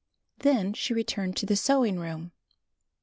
Then she returned to the sewing room.